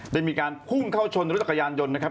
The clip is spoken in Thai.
ได้มีการหุ้มเข้าชนรถกายร์นยนต์นนะครับ